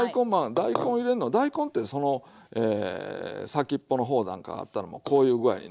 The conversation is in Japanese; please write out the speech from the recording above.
大根入れんの大根って先っぽの方なんかあったらもうこういう具合にね。